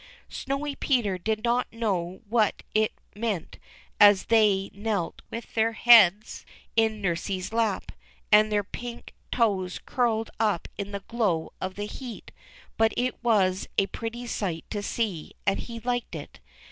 Snowy Peter did not know what it meant as they knelt with their heads in Nursey's lap, and their pink toes curled up in the glow of the heat ; but it was a pretty sight to see, and he liked it.